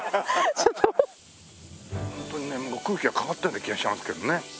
ホントにね空気が変わったような気がしますけどね。